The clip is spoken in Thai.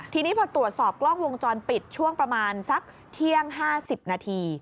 ทีนี้พอตรวจสอบกล้องวงจรปิดช่วงประมาณสักเที่ยง๕๐นาที